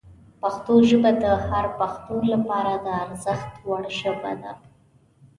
پښتو ژبه د هر پښتون لپاره د ارزښت وړ ژبه ده.